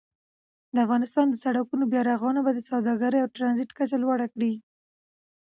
د افغانستان د سړکونو بیا رغونه به د سوداګرۍ او ترانزیت کچه لوړه کړي.